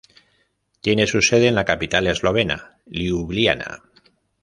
Tiene su sede en la capital eslovena, Liubliana.